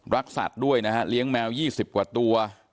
สัตว์ด้วยนะฮะเลี้ยงแมว๒๐กว่าตัว